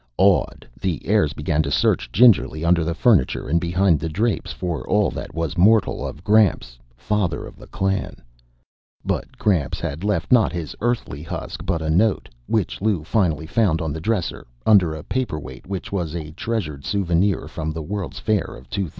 Awed, the heirs began to search gingerly, under the furniture and behind the drapes, for all that was mortal of Gramps, father of the clan. But Gramps had left not his Earthly husk but a note, which Lou finally found on the dresser, under a paperweight which was a treasured souvenir from the World's Fair of 2000.